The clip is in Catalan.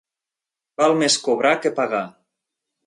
Val més cobrar que pagar.